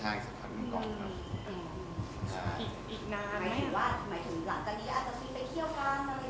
หลังจากนี้อาจจะไปเที่ยวกัน